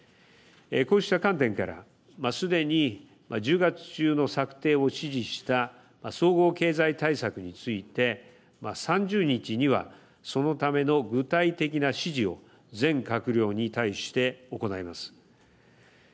こうした観点からすでに１０月中の策定を指示した総合経済対策について３０日には、そのための具体的な指示を全閣僚に対して行います。